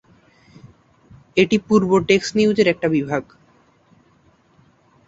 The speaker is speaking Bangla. এটি পূর্ব টেক্সাস নিউজের একটি বিভাগ।